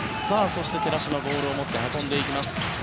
そして、寺嶋ボールを持って運んでいきます。